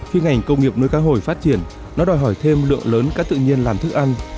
khi ngành công nghiệp nuôi cá hồi phát triển nó đòi hỏi thêm lượng lớn cá tự nhiên làm thức ăn